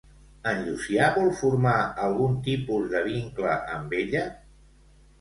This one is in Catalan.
En Llucià vol formar algun tipus de vincle amb ella?